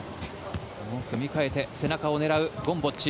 組み替えて背中を狙うゴムボッチ。